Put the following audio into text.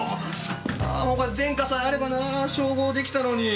あーもう前科さえあればな照合出来たのに。